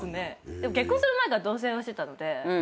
でも結婚する前から同棲はしてたので。